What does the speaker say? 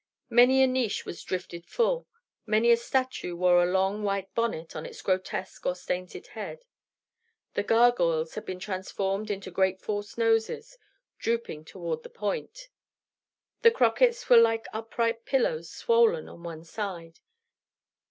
Many a niche was drifted full; many a statue wore a long white bonnet on its grotesque or sainted head. The gargoyles had been transformed into great false noses, drooping toward the point. The crockets were like upright pillows swollen on one side.